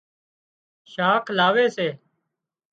شاک لاوي سي